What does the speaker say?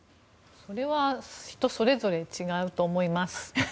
それは人それぞれ違うと思います。